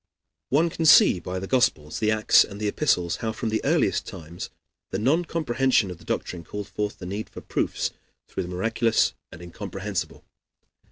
One can see by the Gospels, the Acts, and the Epistles how from the earliest times the non comprehension of the doctrine called forth the need for proofs through the miraculous and incomprehensible.